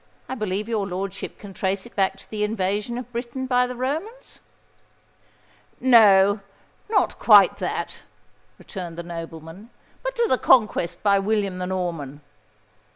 I believe your lordship can trace it back to the invasion of Britain by the Romans?" "No—not quite that," returned the nobleman; "but to the conquest by William the Norman.